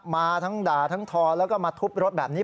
มาทั้งด่าทั้งทอแล้วก็มาทุบรถแบบนี้